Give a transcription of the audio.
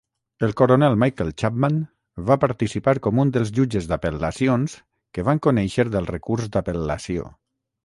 El coronel Michael Chapman va participar com un dels jutges d'apel·lacions que van conèixer del recurs d'apel·lació.